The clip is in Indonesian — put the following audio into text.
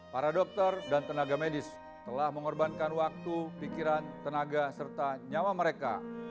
para dokter dan tenaga medis telah mengorbankan waktu pikiran tenaga serta nyawa mereka